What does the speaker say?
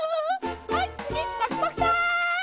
はいつぎパクパクさん！